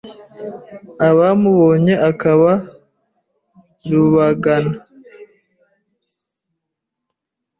Abamubonye akaba Rubagana